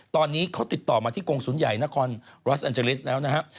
ตอนนี้เขาติดต่อมาที่กรงศูนย์ใหญ่นครรอสแอนเจริสแล้วนะครับ